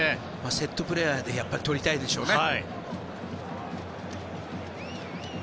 セットプレーで取りたいでしょうからね。